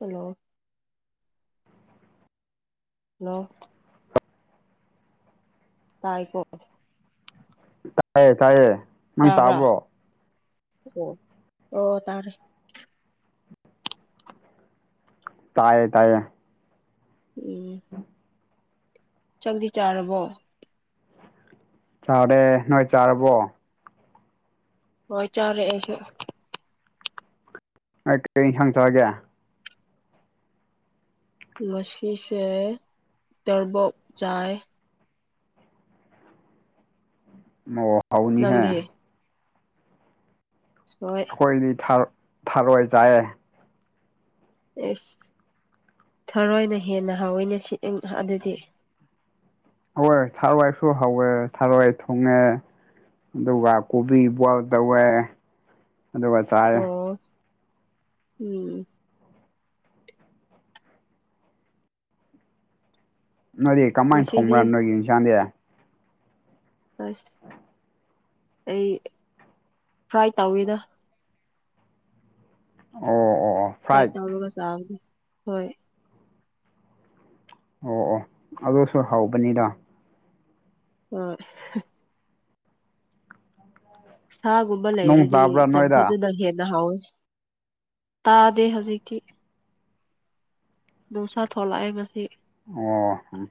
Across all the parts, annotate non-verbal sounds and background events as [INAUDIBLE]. Hello hello ꯇꯥꯏꯀꯣ ꯇꯥꯏꯌꯦ ꯇꯥꯏꯌꯦ ꯅꯪ ꯇꯥꯕ꯭ꯔꯥ ꯇꯥꯕ꯭ꯔꯣ ꯑꯣ ꯑꯣ ꯇꯥꯔꯦ ꯇꯥꯏꯌꯦ ꯇꯥꯏꯌꯦ ꯎꯝ ꯆꯥꯛꯗꯤ ꯆꯥꯔꯕꯣ ꯆꯥꯔꯦ ꯅꯣꯏ ꯆꯥꯔꯕꯣ ꯍꯣꯏ ꯆꯥꯔꯦ ꯑꯩꯁꯨ ꯅꯣꯏ ꯀꯔꯤ ꯏꯟꯁꯥꯡ ꯆꯥꯒꯦ ꯂꯣꯁꯤꯁꯦ ꯇꯣꯔꯕꯣꯛ ꯆꯥꯏ ꯃꯣ ꯍꯥꯎꯅꯤꯍꯦ ꯅꯪꯗꯤ ꯍꯣꯏ ꯈꯣꯏꯗꯤ ꯊꯔ ꯊꯔꯣꯏ ꯆꯥꯏꯌꯦ ꯑꯦꯁ ꯊꯔꯣꯏꯅ ꯍꯦꯟꯅ ꯍꯥꯎꯋꯦꯅꯦ ꯁꯤ ꯑꯪ ꯍꯥ ꯑꯗꯨꯗꯤ ꯍꯥꯎꯋꯦ ꯊꯔꯣꯏꯁꯨ ꯍꯥꯎꯋꯦ ꯊꯔꯣꯏ ꯊꯣꯡꯉꯦ ꯑꯗꯨꯒ ꯀꯣꯕꯤ ꯕꯣꯏꯜ ꯇꯧꯋꯦ ꯑꯗꯨꯒ ꯆꯥꯏꯌꯦ ꯑꯣ ꯎꯝ ꯅꯣꯏꯗꯤ ꯀꯃꯥꯏꯟ ꯉꯁꯤꯗꯤ ꯊꯣꯡꯕ꯭ꯔꯥ ꯅꯣꯏꯒꯤ ꯏꯟꯁꯥꯡꯗꯤ ꯑꯁ ꯑꯩ ꯐ꯭ꯔꯥꯏ ꯇꯧꯋꯤꯗ ꯑꯣ ꯑꯣ ꯑꯣ ꯐ꯭ꯔꯥꯢ ꯐ꯭ꯔꯥꯏꯠ ꯇꯧꯔꯒ ꯆꯥꯕꯗꯤ ꯍꯣꯏ ꯑꯣ ꯑꯣ ꯑꯗꯨꯁꯨ ꯍꯧꯕꯅꯤꯗ ꯍꯣꯏ ꯁꯥꯒꯨꯝꯕ ꯅꯣꯡ ꯂꯩꯔꯗꯤ ꯇꯥꯕ꯭ꯔꯥ ꯅꯣꯏꯗ ꯆꯝꯐꯨꯠꯇꯨꯗ ꯍꯦꯟꯅ ꯍꯥꯎꯋꯦ ꯁꯥꯗꯦ ꯍꯧꯖꯤꯛꯇꯤ ꯅꯣꯡꯁꯥ ꯊꯣꯛꯂꯛꯑꯦ ꯉꯁꯤ ꯑꯣ ꯎꯝ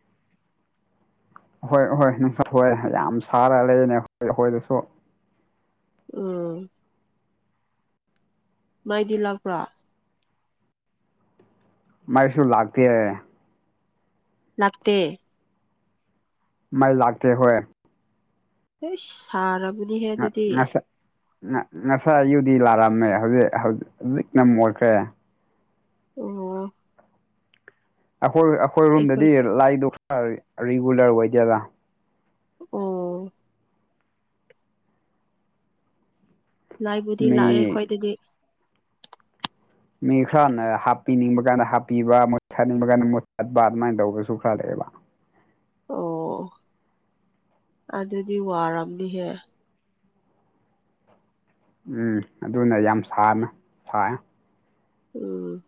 ꯍꯣꯏ ꯑꯍꯣꯏ ꯅꯨꯡꯁꯥ ꯊꯣꯛꯑꯦ ꯌꯥꯝ ꯁꯥꯔꯒ ꯂꯩꯌꯦꯅꯦ ꯑꯈꯣꯏ ꯑꯈꯣꯏꯗꯁꯨ ꯎꯝ ꯃꯥꯏꯗꯤ ꯂꯥꯛꯄ꯭ꯔꯥ ꯃꯩꯁꯨ ꯂꯥꯛꯇꯦ ꯂꯥꯛꯇꯦ ꯃꯩ ꯂꯥꯛꯇꯦ ꯍꯣꯏ ꯍꯩꯁ ꯁꯥꯔꯕꯅꯤꯍꯦ ꯑꯗꯨꯗꯤ ꯅ ꯅꯁꯥꯏ ꯌꯨꯗꯤ ꯂꯥꯔꯝꯃꯦ ꯍꯧꯖꯤꯛ ꯍꯧꯖꯤꯛꯅ ꯃꯣꯠꯈ꯭ꯔꯦ ꯑꯣ ꯑꯈꯣꯏ ꯑꯩꯈꯣꯏ ꯑꯈꯣꯏꯔꯨꯝꯗꯗꯤ ꯂꯥꯏꯗꯣ ꯈꯔ ꯔꯤꯒꯨꯂꯔ ꯑꯣꯏꯗꯦꯗ꯫ ꯑꯣ ꯂꯥꯏꯕꯨꯗꯤ ꯂꯥꯛꯑꯦ ꯃꯤ ꯑꯩꯈꯣꯏꯗꯗꯤ꯫ ꯃꯤ ꯈꯔꯅ ꯍꯥꯞꯄꯤꯅꯤꯡꯕ ꯀꯥꯟꯗ ꯍꯥꯞꯄꯤꯕ ꯃꯨꯠꯊꯠꯅꯤꯡꯕ ꯀꯥꯟꯗ ꯃꯨꯠꯊꯠꯄ ꯑꯗꯨꯃꯥꯏꯅ ꯇꯧꯕꯁꯨ ꯈꯂꯀꯑꯦꯕ꯫ ꯑꯣ ꯑꯗꯨꯗꯤ ꯋꯥꯔꯝꯅꯤꯍꯦ ꯎꯝ ꯑꯗꯨꯅ ꯌꯥꯝ ꯁꯥꯅ ꯁꯥꯑꯦ ꯎꯝ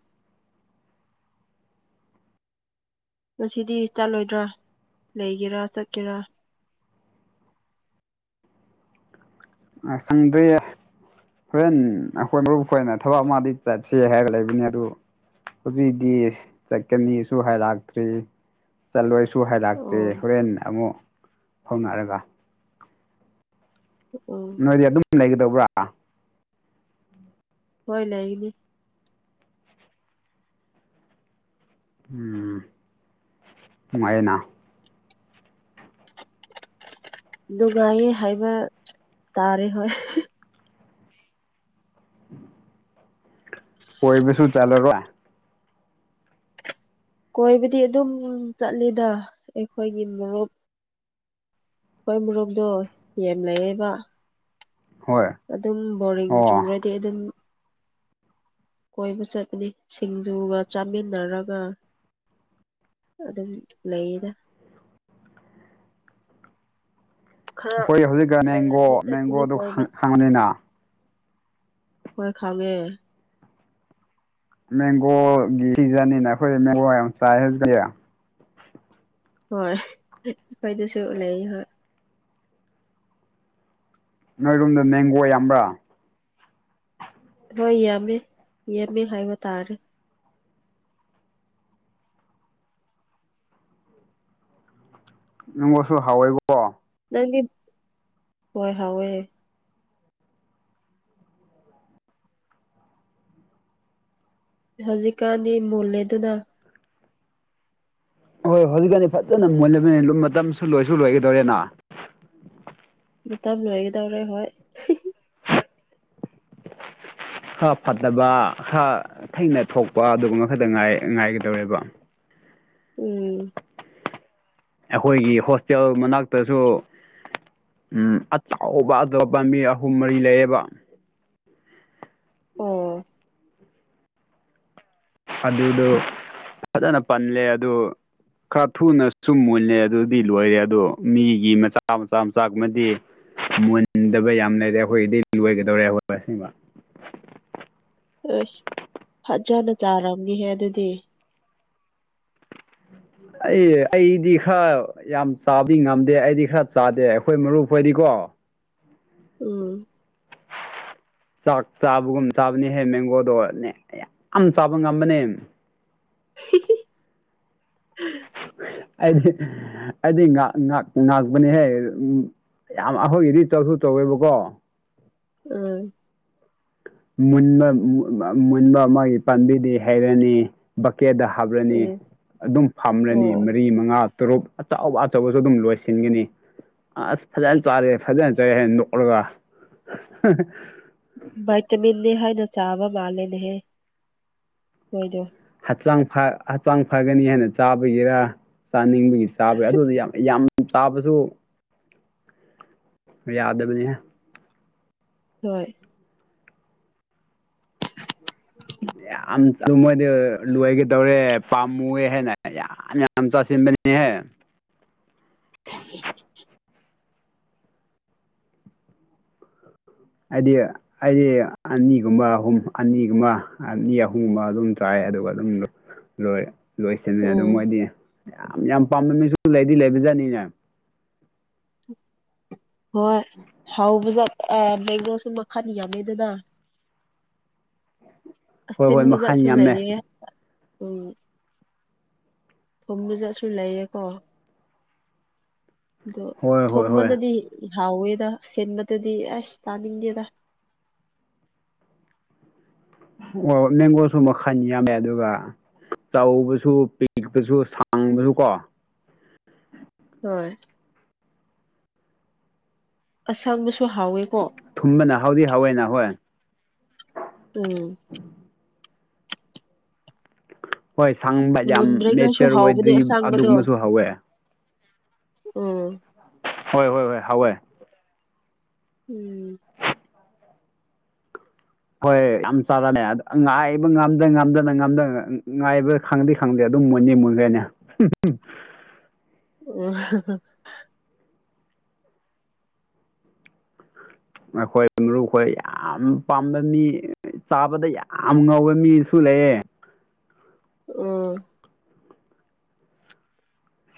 ꯉꯁꯤꯗꯤ ꯆꯠꯂꯣꯏꯗ꯭ꯔ ꯂꯩꯒꯦꯔꯥ ꯆꯠꯀꯦꯔꯥ ꯑ ꯁꯪꯗ꯭ꯔꯦꯌꯦ ꯍꯣꯔꯦꯟ ꯑꯈꯣꯏ ꯃꯔꯨꯞ ꯍꯣꯏꯅ ꯊꯕꯛ ꯑꯃꯗꯤ ꯆꯠꯁꯦ ꯍꯥꯏꯔꯒ ꯂꯩꯕꯅꯤ ꯑꯗꯨ ꯍꯨꯖꯤꯛꯗꯤ ꯆꯠꯀꯅꯤꯁꯨ ꯍꯥꯏꯔꯥꯇ꯭ꯔꯤ ꯆꯠꯂꯣꯏ ꯁꯨ ꯍꯥꯏꯔꯥꯛꯇꯦ ꯑꯣ ꯍꯣꯔꯦꯟ ꯑꯃꯨꯛ ꯍꯣꯡꯅꯛꯔꯒ ꯎꯝ ꯅꯣꯏꯗꯤ ꯑꯗꯨꯝ ꯂꯩꯒꯗꯧꯕ꯭ꯔꯥ ꯍꯣꯏ ꯂꯩꯒꯅꯤ ꯎꯝ ꯅꯨꯡꯉꯥꯏꯌꯦꯅꯥ ꯅꯨꯡꯒꯥꯏꯌꯦ ꯍꯥꯏꯕ ꯇꯥꯔꯦ ꯍꯣꯏ [INAUDIBLE] ꯀꯣꯏꯕꯁꯨ ꯆꯠꯂꯔꯣꯏ ꯀꯣꯏꯕꯗꯤ ꯑꯗꯨꯝ ꯆꯠꯂꯤꯗ ꯑꯩꯈꯣꯏꯒꯤ ꯃꯔꯨꯞ ꯈꯣꯏ ꯃꯨꯔꯨꯞꯗꯣ ꯌꯦꯝ ꯂꯩꯌꯦꯕ ꯍꯣꯏ ꯑꯗꯨꯝ ꯕꯣꯔꯤꯡ ꯑꯣ ꯆꯨꯝꯨꯔꯗꯤ ꯑꯗꯨꯝ ꯀꯣꯏꯕ ꯆꯠꯄꯅꯤ ꯁꯤꯡꯖꯨꯒ ꯆꯥꯃꯤꯟꯅꯔꯒ ꯑꯗꯨꯝ ꯂꯩꯌꯦꯗ ꯈꯔ ꯑꯈꯣꯏ ꯍꯧꯖꯤꯛꯀ ꯑꯦꯡꯒꯣ ꯂꯩꯔꯗꯤ ꯆꯠꯀꯅꯤ ꯃꯦꯡꯒꯣꯗꯨ ꯀꯣꯏꯕ ꯈꯪ ꯍꯪꯕꯅꯤꯅ ꯍꯣꯏ ꯈꯡꯉꯦ ꯃꯦꯡꯒꯣꯒꯤ ꯁꯤꯖꯟꯅꯤꯅ ꯑꯈꯣꯏ ꯃꯦꯡꯒꯣ ꯌꯥꯝ ꯆꯥꯏ ꯍꯧꯖꯤ ꯍꯣꯏ ꯑꯩꯈꯣꯏꯗꯨꯁꯨ ꯂꯩ ꯍꯣꯏ ꯅꯣꯏꯔꯣꯝꯗ ꯃꯦꯡꯒꯣ ꯌꯥꯝꯕ꯭ꯔꯥ ꯍꯣꯏ ꯌꯥꯝꯃꯦ ꯌꯥꯝꯃꯦ ꯍꯥꯏꯕ ꯇꯥꯔꯦ ꯅꯪ ꯋꯥꯈꯜ ꯍꯥꯎꯋꯦꯕꯣ ꯅꯪꯗꯤ ꯍꯣꯏ ꯍꯥꯎꯋꯦ ꯍꯧꯖꯤꯛꯀꯥꯟꯗꯤ ꯃꯨꯟꯂꯦ ꯑꯗꯨꯅ ꯍꯣꯏ ꯍꯣꯏ ꯍꯧꯖꯤꯛꯀꯥꯟꯗꯤ ꯐꯖꯅ ꯃꯨꯟꯂꯅꯤ ꯃꯇꯝꯁꯨ ꯂꯣꯏꯁꯨ ꯂꯣꯏꯒꯗꯧꯔꯦꯅ ꯃꯇꯝ ꯂꯣꯏꯒꯗꯧꯔꯦ ꯍꯣꯏ ꯈꯔ ꯐꯠꯇꯕ ꯈꯔ ꯊꯩꯅ ꯊꯣꯛꯄ ꯑꯗꯨꯒꯨꯝꯕ ꯈꯛꯇ ꯉꯥꯏꯒꯗꯧꯔꯦꯕ ꯎꯝ ꯑꯩꯈꯣꯏꯒꯤ ꯍꯣꯁꯇꯦꯜ ꯃꯅꯥꯛꯇꯁꯨ ꯎꯝ ꯑꯆꯧꯕ ꯑꯇꯣꯞꯄ ꯃꯤ ꯑꯍꯨꯝ ꯃꯔꯤ ꯂꯩꯌꯦꯕ ꯑꯣ ꯑꯗꯨꯗꯣ ꯐꯖꯅ ꯄꯜꯂꯦ ꯑꯗꯨ ꯈꯔ ꯊꯨꯅ ꯁꯨꯝ ꯃꯨꯜꯂꯦ ꯑꯗꯨꯗꯤ ꯂꯣꯏꯔꯦ ꯑꯗꯣ ꯃꯤꯒꯤ ꯃꯆꯥ ꯃꯆꯥ ꯃꯆꯥꯒꯨꯝꯃꯗꯤ ꯃꯨꯟꯗꯕ ꯌꯥꯝ ꯂꯩꯔꯦ ꯑꯩꯈꯣꯏꯗꯤ ꯂꯣꯏꯒꯗꯧꯔꯦꯕ ꯑꯁ ꯐꯖꯅ ꯆꯥꯔꯝꯅꯤꯍꯦ ꯑꯗꯨꯗꯤ [INAUDIBLE] ꯑꯩ ꯑꯩꯗꯤ ꯈꯔ ꯌꯥꯝ ꯆꯥꯕꯗꯤ ꯉꯝꯗꯦ ꯑꯩꯗꯤ ꯈꯔ ꯆꯥꯗꯦ ꯑꯩꯈꯣꯏ ꯃꯔꯨꯞ ꯍꯣꯏꯗꯤꯀꯣ ꯎꯝ ꯆꯥꯛ ꯆꯥꯕꯒꯨꯝ ꯆꯥꯕꯅꯦꯍꯦ ꯃꯦꯡꯒꯣꯗꯣꯅꯦ ꯌꯥꯝ ꯆꯥꯕ ꯉꯝꯕꯅꯦ [INAUDIBLE] ꯑꯩꯗꯤ ꯑꯩꯗꯤ ꯉꯥꯛ ꯉꯥꯛ ꯉꯥꯛꯄꯅꯦꯍꯦ ꯌꯥꯝ ꯑꯩꯈꯣꯏꯒꯤꯗꯤ ꯆꯧꯁꯨ ꯇꯧꯋꯦꯕꯀꯣ ꯎꯝ ꯃꯨꯟꯕ ꯃꯨꯟꯕ ꯃꯥ ꯒꯤ ꯄꯥꯝꯕꯤꯗꯤ ꯍꯩꯔꯅꯤ ꯕꯛꯀꯦꯗ ꯍꯥꯞꯔꯅꯤ ꯎꯝ ꯑꯗꯨꯝ ꯐꯝꯔꯅꯤ ꯑꯣ ꯃꯔꯤ ꯃꯉꯥ ꯇꯔꯨꯞ ꯑꯆꯧ ꯑꯆꯧꯕꯁꯨ ꯑꯗꯨꯝ ꯂꯣꯏꯁꯤꯟꯒꯅꯤ ꯑꯁ ꯐꯖꯅ ꯆꯥꯔꯦ ꯐꯖꯅ ꯆꯥꯏ ꯍꯥꯏꯅ ꯅꯣꯛꯂꯒ ꯚꯥꯏꯇꯃꯤꯟꯅꯤ ꯍꯥꯏꯅ ꯆꯥꯕ ꯃꯥꯜꯂꯦꯅꯦꯍꯦ ꯅꯣꯏꯗꯣ ꯍꯛꯆꯥꯡ ꯐꯥ ꯍꯛꯆꯥꯡ ꯐꯒꯅꯤ ꯍꯥꯏꯅ ꯆꯥꯕꯒꯤꯔ ꯆꯥꯅꯤꯡꯕꯒꯤ ꯆꯥꯕ ꯑꯗꯨꯗꯤ ꯌꯥꯝ ꯌꯥꯝ ꯆꯥꯕꯁꯨ [INAUDIBLE] ꯌꯥꯗꯕꯅꯤꯍꯦ ꯍꯣꯏ [UNINTELLIGIBLE] ꯌꯥꯝ ꯑꯗꯨ ꯃꯣꯏꯗꯤ ꯂꯣꯏꯒꯦ ꯇꯧꯔꯦ ꯄꯥꯝꯃꯨꯑꯦ ꯍꯥꯏꯅ ꯌꯥꯝ [UNINTELLIGIBLE] ꯌꯥꯏꯌꯦ ꯍꯥꯏꯗꯤ ꯑꯩꯗꯤ ꯑꯅꯤꯒꯨꯝꯕ ꯑꯍꯨꯝ ꯑꯅꯤꯒꯨꯝꯕ ꯑ ꯑꯍꯣꯡꯕ ꯑꯗꯨꯝ ꯆꯥꯏ ꯑꯗꯨꯒ ꯑꯗꯨꯝ ꯂꯣꯏ ꯂꯣꯏꯁꯟꯃꯤꯅꯦ ꯑꯗꯨ ꯎꯝ ꯃꯣꯏꯗꯤ ꯌꯥꯝ ꯌꯥꯝ ꯄꯥꯝꯅꯃꯤꯁꯨ ꯂꯩꯗꯤ ꯂꯩꯕꯖꯥꯠꯅꯤꯅꯦ ꯍꯣꯏ ꯍꯧꯕꯁꯦ ꯃꯦꯡꯒꯣꯁꯨ ꯃꯈꯜ ꯌꯥꯝꯃꯦꯗꯅ ꯍꯣꯏ ꯍꯣꯏ ꯃꯈꯟ ꯑꯤꯟꯕꯖꯥꯠꯁꯨ ꯌꯥꯝꯃꯦ ꯂꯩꯌꯦ ꯎꯝ ꯊꯣꯡꯕꯖꯠꯁꯨ ꯂꯩꯌꯦꯀꯣ ꯑꯗꯣ ꯍꯣꯏ ꯍꯣꯏ ꯍꯣꯏ ꯊꯨꯝꯕꯅꯗꯤ ꯍꯥꯎꯋꯦꯗ ꯁꯤꯟꯕꯗꯨꯗꯤ ꯑꯁ ꯆꯥꯅꯤꯡꯗꯦꯗ ꯑꯣ ꯃꯦꯡꯒꯣꯁꯨ ꯃꯈꯟ ꯌꯥꯝꯃꯦ ꯑꯗꯨꯒ ꯆꯥꯎꯕꯁꯨ ꯄꯤꯛꯄꯁꯨ ꯁꯥꯡꯕꯁꯨ ꯀꯣ ꯍꯣꯏ ꯑꯁꯪꯕꯁꯨ ꯍꯥꯎꯋꯦꯀꯣ ꯊꯨꯝꯕꯅ ꯍꯥꯎꯗꯤ ꯍꯥꯎꯋꯦꯅ ꯍꯣꯏ ꯎꯝ ꯍꯣꯏ ꯁꯪꯕ ꯌꯥꯝ ꯃꯨꯟꯗ꯭ꯔꯤꯉꯩꯁꯨ ꯅꯦꯆꯔ ꯍꯥꯎꯕꯅꯦ ꯑꯣꯏꯗ꯭ꯔꯤ ꯑꯁꯥꯡꯕꯗꯣ ꯑꯗꯨꯒꯨꯝꯕꯁꯨ ꯍꯧꯋꯦ ꯎꯝ ꯍꯣꯏ ꯍꯣꯏ ꯍꯣꯏ ꯍꯥꯎꯋꯦ ꯎꯝ ꯍꯣꯏ ꯌꯥꯝ ꯆꯥꯔꯅꯦ ꯑꯪ ꯉꯥꯏꯕ ꯉꯝꯗ ꯉꯝꯗ ꯉꯝꯗꯅ ꯉꯥꯏꯕ ꯈꯪꯗꯤ ꯈꯪꯗꯦ ꯑꯗꯨꯝ ꯃꯨꯟꯅꯤ ꯃꯨꯟꯂꯦꯅꯦ [UNINTELLIGIBLE] ꯑꯣ ꯍꯍꯥ ꯑꯩꯈꯣꯏ ꯃꯔꯨꯈꯣꯏ ꯌꯥꯝ ꯄꯥꯝꯕ ꯃꯤ ꯆꯥꯕꯗ ꯌꯥꯝ ꯉꯧꯕ ꯃꯤꯁꯨ ꯂꯩꯌꯦ ꯎꯝ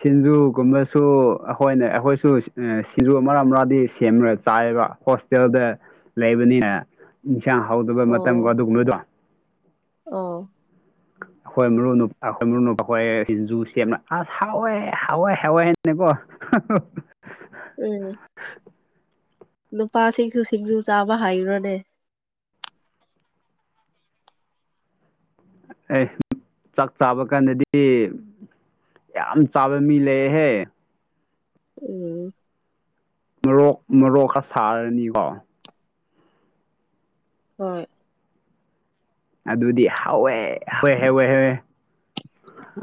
ꯁꯤꯡꯖꯨꯒꯨꯝꯕꯁꯨ ꯑꯩꯈꯣꯏꯅ ꯑꯩꯈꯣꯏꯁꯨ ꯁꯤꯡꯖꯨ ꯃꯔꯥ ꯃꯔꯥꯗꯤ ꯁꯦꯝꯔ ꯆꯥꯏꯕ ꯍꯣꯁ ꯇꯦꯜꯗ ꯂꯩꯕꯅꯤꯅ ꯏꯟꯁꯥꯡ ꯍꯧꯗꯕ ꯃꯇꯝꯒꯣ ꯑꯣ ꯑꯗꯨꯒꯨꯝꯕꯗꯣ ꯑꯣ ꯑꯩꯈꯣꯏ ꯃꯔꯨꯨ ꯑꯩꯈꯣꯏ ꯃꯔꯨꯅꯨ ꯑꯩꯈꯣꯏ ꯁꯤꯡꯖꯨ ꯁꯦꯝꯔ ꯑꯁ ꯍꯥꯎꯋꯦ ꯍꯥꯎꯋꯦ ꯍꯥꯎꯋꯦꯅꯀꯣ [UNINTELLIGIBLE] ꯎꯝ ꯅꯨꯄꯥꯁꯤꯡꯁꯨ ꯁꯤꯡꯖꯨ ꯆꯥꯕ ꯍꯩꯔꯣꯅꯦ ꯑꯦ ꯆꯥꯛ ꯆꯥꯕ ꯀꯥꯟꯗꯗꯤ ꯌꯥꯝ ꯆꯥꯕ ꯃꯤ ꯂꯩꯌꯦꯍꯦ ꯎꯝ ꯃꯔꯣꯛ ꯃꯔꯣꯛꯀ ꯁꯥꯔꯅꯤꯀꯣ ꯍꯣꯏ ꯑꯗꯨꯗꯤ ꯍꯧꯋꯦ ꯍꯧꯋꯦ ꯍꯧꯋꯦ ꯍꯧꯋꯦ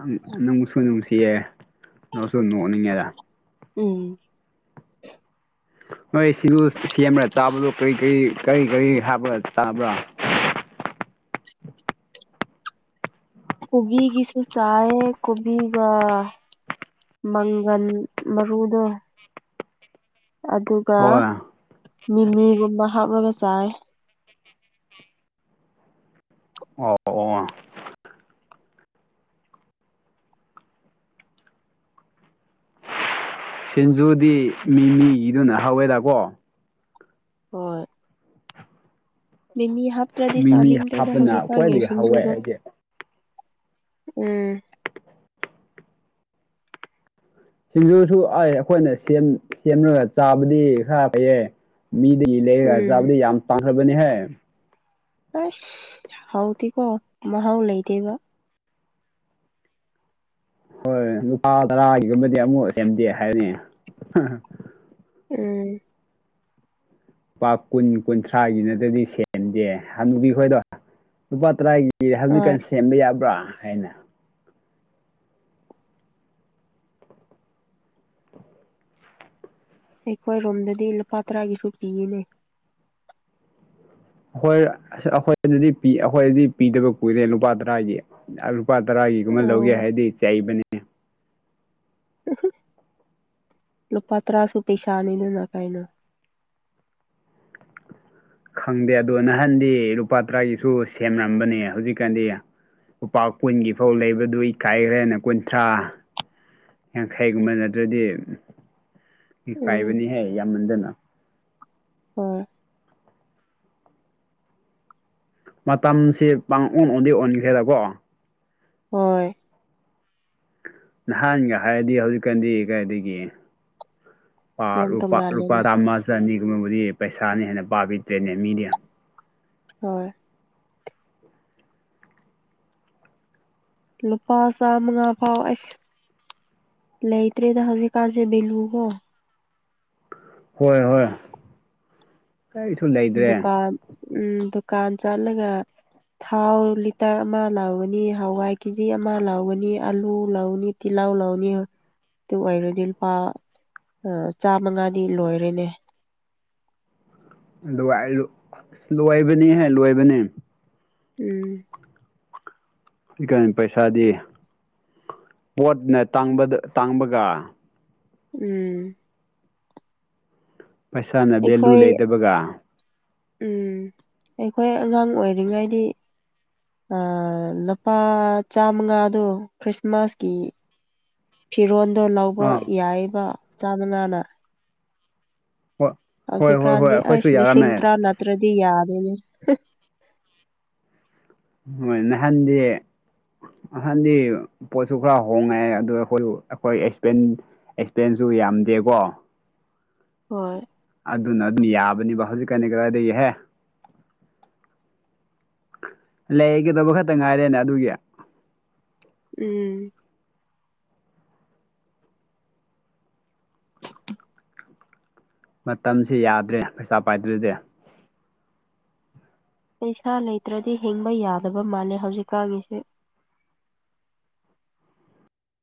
ꯑꯝ ꯅꯨꯡꯁꯨ ꯅꯨꯡꯁꯤꯌꯦ ꯅꯣꯛꯁꯨ ꯅꯣꯛꯅꯤꯡꯉꯦꯗ ꯎꯝ ꯍꯣꯏ ꯁꯤꯡꯖꯨ ꯁꯦꯝꯔꯥ ꯆꯥꯕꯗꯣ ꯀꯔꯤ ꯀꯔꯤ ꯀꯔꯤ ꯀꯔꯤ ꯍꯥꯞꯔ ꯆꯥꯕ꯭ꯔꯥ ꯀꯣꯕꯤꯒꯤꯁꯨ ꯆꯥꯢ ꯀꯣꯕꯤꯒ ꯃꯪꯒꯟ ꯃꯔꯨꯗꯣ ꯑꯗꯨꯒ ꯍꯣꯏ ꯃꯤꯃꯤꯒꯨꯝꯕ ꯍꯥꯞꯔꯒ ꯆꯥꯏ ꯑꯣ ꯑꯣ ꯁꯤꯡꯖꯨꯗꯤ ꯃꯤ ꯃꯤꯗꯨꯅ ꯍꯧꯋꯦꯗꯀꯣ ꯍꯣꯏ ꯃꯤꯃꯤ ꯍꯥꯞꯇ꯭ꯔꯗꯤ ꯃꯤꯃꯤ ꯆꯥꯅꯤꯡꯗ꯭ꯔꯦꯗ ꯍꯥꯞꯄꯅ ꯍꯧꯖꯤꯛꯀꯥꯟꯒꯤ ꯈ꯭ꯋꯥꯏꯗꯒꯤ ꯍꯥꯎꯋꯦ ꯁꯤꯡꯖꯨꯗꯣ ꯑꯩꯗꯤ ꯎꯝ ꯁꯤꯡꯖꯨꯁꯨ ꯑꯩ ꯑꯩꯈꯣꯏꯅ ꯁꯦꯝ ꯁꯦꯝꯔꯒ ꯆꯥꯕꯗꯤ ꯈꯔ ꯐꯩꯌꯦ ꯃꯤꯗꯒꯤ ꯂꯩꯔꯒ ꯎꯝ ꯆꯥꯕꯗꯤ ꯌꯥꯝ ꯇꯥꯡꯈ꯭ꯔꯕꯅꯦꯍꯦ ꯑꯩꯁ ꯍꯥꯎꯗꯤ ꯀꯣ ꯃꯍꯥꯎ ꯂꯩꯇꯕ ꯍꯣꯏ ꯂꯨꯄꯥ ꯇꯔꯥꯒꯤꯒꯨꯝꯕꯗꯤ ꯑꯃꯨꯛ ꯁꯦꯝꯗꯦ ꯍꯥꯏꯅꯤ ꯎꯝ ꯂꯨꯄꯥ ꯀꯨꯟ ꯀꯨꯟꯊ꯭ꯔꯥꯒꯤ ꯅꯠꯇꯗꯤ ꯁꯦꯝꯗꯦ ꯍꯅꯨꯕꯤ ꯈꯣꯏꯗꯣ ꯂꯨꯄꯥ ꯇꯔꯥꯒꯤ ꯍꯧꯖꯤꯛꯀꯥꯟ ꯍꯣꯏ ꯁꯦꯝꯕ ꯌꯥꯕ꯭ꯔꯥ ꯍꯥꯏꯅ ꯑꯩꯈꯣꯏꯔꯣꯝꯗꯗꯤ ꯂꯨꯄꯥ ꯇꯔꯥꯒꯤꯁꯨ ꯄꯤꯌꯦꯅꯦ ꯈꯣꯏ ꯑꯁ ꯑꯈꯣꯏ ꯗꯨꯗꯤ ꯑꯩꯈꯣꯏꯗꯤ ꯄꯤꯗꯕ ꯀꯨꯏꯔꯦ ꯂꯨꯄꯥ ꯇꯔꯥꯗꯤ ꯑꯥ ꯂꯨꯄꯥ ꯇꯔꯥꯒꯤꯒꯨꯝꯕ ꯑꯣ ꯂꯧꯒꯦ ꯍꯥꯏꯗꯤ ꯆꯩꯕꯅꯦ ꯂꯨꯄꯥ ꯇꯔꯥꯁꯨ ꯄꯩꯁꯥꯅꯤꯅ ꯀꯥꯏꯅ ꯈꯪꯗꯦ ꯑꯗꯣ ꯅꯍꯥꯟꯗꯤ ꯂꯨꯄꯥ ꯇꯔꯥꯒꯤꯁꯨ ꯁꯦꯝꯂꯝꯕꯅꯦ ꯍꯧꯖꯤꯛꯀꯥꯟꯗꯤ ꯂꯨꯄꯥ ꯀꯨꯟꯒꯤ ꯐꯧ ꯂꯩꯕꯗꯨ ꯏ ꯀꯥꯏꯈ꯭ꯔꯦꯅꯦ ꯀꯨꯟꯊ꯭ꯔꯥ ꯌꯥꯡꯈꯩꯒꯨꯝꯕ ꯅꯠꯇ꯭ꯔꯗꯤ ꯎꯝ ꯏꯀꯥꯏꯕꯅꯤꯍꯦ ꯌꯥꯝꯃꯟꯗꯅ ꯍꯣꯏ ꯃꯇꯝꯁꯦ ꯄꯥꯡ ꯑꯣꯟ ꯑꯣꯟꯗꯤ ꯑꯣꯟꯈ꯭ꯔꯦꯗꯀꯣ ꯍꯣꯏ ꯅꯍꯥꯟꯒ ꯍꯥꯏꯔꯗꯤ ꯍꯧꯖꯤꯛꯀꯥꯟꯗꯤ ꯀꯥꯏꯗꯒꯤ ꯌꯥꯝ ꯂꯨꯄꯥ ꯇꯣꯡꯉꯥꯜꯂꯦꯅ ꯂꯨꯄꯥꯑꯃ ꯆ ꯑꯅꯤꯒꯨꯝꯕꯕꯨꯗꯤ ꯄꯩꯁꯥꯅ ꯍꯦꯟꯅ ꯄꯥꯕꯤꯗ꯭ꯔꯦꯅꯦ ꯃꯤꯗꯤ ꯍꯣꯏ ꯂꯨꯄꯥ ꯆꯥꯝꯃꯉꯥ ꯐꯥꯎ ꯑꯁ ꯂꯩꯇꯔꯦꯗ ꯍꯧꯖꯤꯛ ꯀꯥꯥꯟꯁꯦ ꯕꯦꯜꯂꯨꯀꫭ ꯍꯣꯏ ꯍꯣꯏ ꯀꯔꯤꯁꯨ ꯂꯩ ꯗꯨꯀꯥꯟ ꯎꯝ ꯗꯨꯀꯥꯟ ꯆꯠꯂꯒ ꯊꯥꯎ ꯂꯤꯇꯔ ꯑꯃ ꯂꯥꯎꯒꯅꯤ ꯍꯋꯥꯏ ꯀꯦꯖꯤ ꯑꯃ ꯂꯥꯎꯒꯅꯤ ꯑꯂꯨ ꯂꯧꯎꯅꯤ ꯇꯤꯜꯍꯎ ꯂꯧꯅꯤ ꯑꯗꯨ ꯑꫭꯏꯔꯗꯤ ꯂꯨꯄꯥ ꯑ ꯆꯥꯃꯉꯥꯗꯤ ꯂꯣꯏꯔꯦꯅꯦ ꯑꯗꯨꯒ ꯂꯣꯏꯕꯅꯦꯍꯦ ꯂꯣꯏꯕꯅꯦ ꯎꯝ ꯀꯟ ꯄꯩꯁꯥꯗꯤ ꯄꯣꯠꯅ ꯇꯥꯡꯕꯗ ꯇꯥꯡꯕꯒ ꯎꯝ ꯄꯩꯁꯥꯅ ꯚꯦꯂꯨ ꯑꯩꯈꯣꯏ ꯂꯩꯇꯕꯒ ꯎꯝ ꯑꯩꯈꯣꯏ ꯑꯉꯥꯡ ꯑꯣꯏꯔꯤꯉꯩꯗꯤ ꯂꯨꯄꯥ ꯆꯥꯃꯉꯥꯗꯣ ꯈ꯭ꯔꯤꯁꯃꯥꯁꯀꯤ ꯐꯤꯔꯣꯜꯗꯣ ꯂꯧꯕ ꯑꯥ ꯌꯥꯏꯕ ꯆꯥꯃꯅꯉꯥꯅ ꯍꯣꯏ ꯍꯣꯏ ꯍꯣꯏ ꯍꯣꯏ ꯍꯧꯖꯤꯛꯀꯥꯟꯗꯤ ꯑꯩꯈꯣꯏꯁꯨ ꯑꯩꯁ ꯌꯥꯎꯔꯝꯃꯦ ꯂꯤꯁꯤꯡ ꯇꯔꯥ ꯅꯇ꯭ꯔꯗꯤ ꯌꯥꯗꯦꯅꯦ ꯍꯣꯏ ꯅꯍꯥꯟꯗꯤ ꯅꯍꯟꯗꯤ ꯄꯣꯠꯁꯨ ꯈꯔ ꯍꯣꯡꯉꯛꯑꯦ ꯑꯗꯨ ꯑꯩꯈꯣꯏ ꯑꯩꯈꯣꯏ ꯑꯦꯛꯄꯦꯟ ꯑꯦꯛꯁꯄꯦꯟꯁꯁꯨ ꯌꯥꯝꯗꯦꯀꯣ ꯍꯣꯏ ꯑꯗꯨꯅ ꯑꯗꯨꯝ ꯌꯥꯕꯅꯦꯕ ꯍꯧꯖꯤꯛꯀꯥꯟꯗꯤ ꯀꯗꯥꯏꯗꯒꯤꯍꯦ ꯂꯩꯒꯗꯧꯕ ꯈꯛꯇ ꯉꯥꯏꯔꯦꯅꯦ ꯑꯗꯨꯒꯤ ꯎꯝ ꯃꯇꯝꯁꯤ ꯌꯥꯗ꯭ꯔꯦ ꯄꯩꯁꯥ ꯄꯥꯏꯗ꯭ꯔꯗꯤ ꯄꯩꯁꯥ ꯂꯩꯇ꯭ꯔꯗꯤ ꯍꯤꯡꯕ ꯌꯥꯗꯕ ꯃꯥꯜꯂꯦ ꯍꯧꯖꯤꯛꯀꯥꯟꯒꯤꯁꯤ